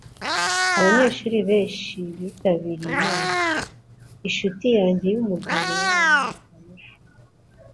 Abanyeshuri benshi bitabiriye inama. Inshuti yanjye yumugabo yarampamagaye ejo.